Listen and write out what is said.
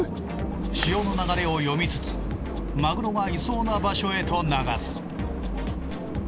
潮の流れを読みつつマグロがいそうな場所へと流す。